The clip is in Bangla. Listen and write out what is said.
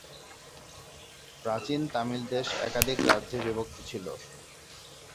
প্রাচীন তামিল দেশ একাধিক রাজ্যে বিভক্ত ছিল।